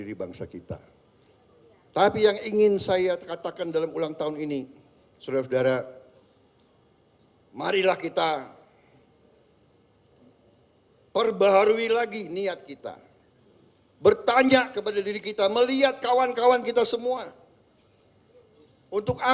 di situ kalian akan dengar pidato saya